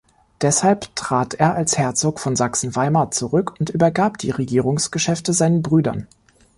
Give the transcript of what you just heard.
Deshalb trat er als Herzog von Sachsen-Weimar zurück und übergab die Regierungsgeschäfte seinen Brüdern.